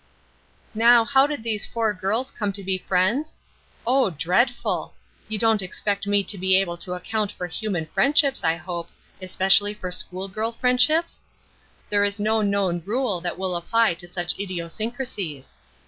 Now how did those four girls come to be friends? Oh, dreadful! You don't expect me to be able to account for human friendships I hope, especially for school girl friendships? There is no known rule that will apply to such idiosyncracies.